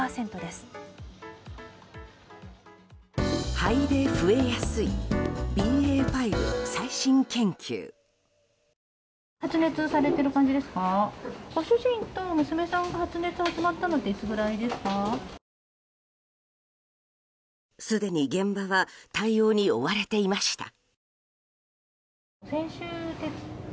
すでに現場は対応に追われていました。